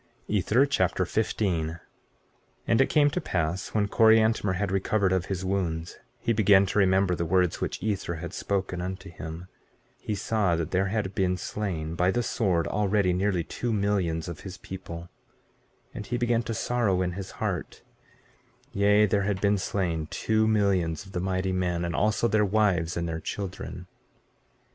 Ether Chapter 15 15:1 And it came to pass when Coriantumr had recovered of his wounds, he began to remember the words which Ether had spoken unto him. 15:2 He saw that there had been slain by the sword already nearly two millions of his people, and he began to sorrow in his heart; yea, there had been slain two millions of mighty men, and also their wives and their children.